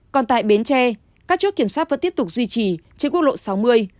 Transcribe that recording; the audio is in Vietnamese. còn tại bến tre các chốt kiểm soát vẫn tiếp tục duy trì trên quốc lộ sáu mươi